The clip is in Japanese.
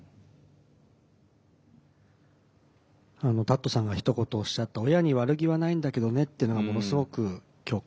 たっとさんがひと言おっしゃった親に悪気はないんだけどねっていうのがものすごく共感しました。